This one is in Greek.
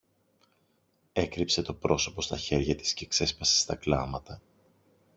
έκρυψε το πρόσωπο στα χέρια της και ξέσπασε στα κλάματα